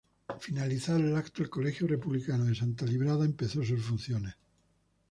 Finalizado el acto el Colegio Republicano de Santa Librada empezó sus funciones.